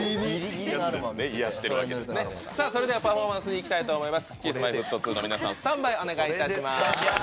パフォーマンスにいきたいと思います。